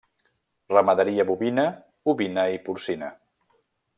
Ramaderia bovina, ovina i porcina.